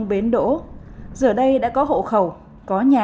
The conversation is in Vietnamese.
giờ là đất nước tận hợp đông bến đỗ giờ đây đã có hộ khẩu có nhà